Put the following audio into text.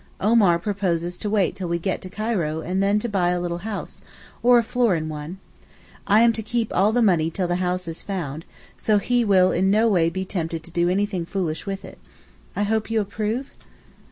Omar proposes to wait till we get to Cairo and then to buy a little house, or a floor in one. I am to keep all the money till the house is found, so he will in no way be tempted to do anything foolish with it. I hope you approve?